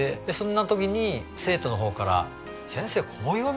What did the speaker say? でそんな時に生徒のほうから。